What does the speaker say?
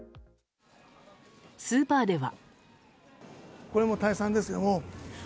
スーパーでは。